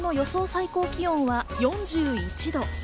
最高気温は４１度。